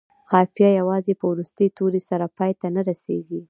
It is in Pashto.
قافیه یوازې په وروستي توري سره پای ته نه رسيږي.